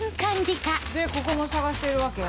でここも捜してるわけ？